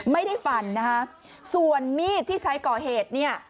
ไม่ได้ฟันนะคะส่วนมีดที่ใช้ก่อเหตุเนี่ย